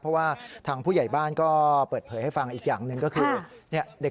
เพราะว่าทางผู้ใหญ่บ้านก็เปิดเผยให้ฟังอีกอย่างหนึ่งก็คือเด็ก